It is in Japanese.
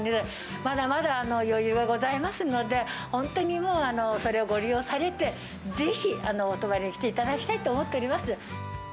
まだまだ余裕がございますので、本当にもう、それをご利用されて、ぜひお泊りに来ていただきたいと思っております。